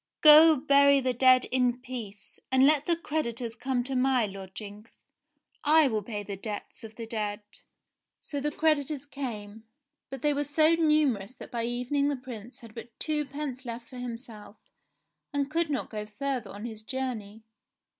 "Go, bury the dead in peace, and let the creditors come to my lodgings ; I will pay the debts of the dead." So the creditors came, but they were so numerous that by evening the Prince had but twopence left for himself, and could not go further on his journey.